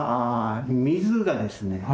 水がですね